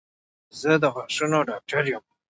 زه د غاښونو ډاکټر یم